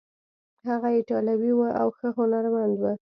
هغه ایټالوی و او ښه هنرمند و.